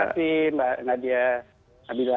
terima kasih mbak nadia mbak adila